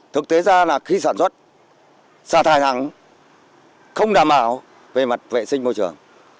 thực tế ra là khi sản xuất xả thải thẳng không đảm bảo về mặt vệ sinh môi trường